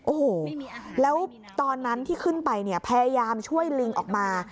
โอ้โหแล้วตอนนั้นที่ขึ้นไปเนี่ยพยายามช่วยลิงออกมา